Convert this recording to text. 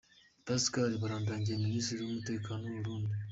Pascal Barandagiye Minisitiri w’Umutekano mu Burundi